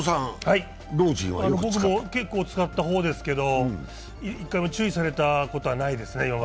僕も結構使った方ですけど１回も今まで注意されたことはないですね。